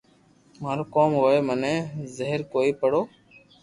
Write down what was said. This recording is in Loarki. مارو ڪاو ھوئي مني زبر ڪوئي پڙو